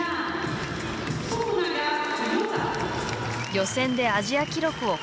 予選でアジア記録を更新。